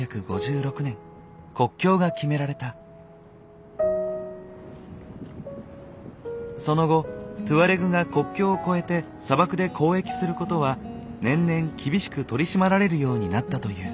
聞けばモロッコがその後トゥアレグが国境を越えて砂漠で交易することは年々厳しく取り締まられるようになったという。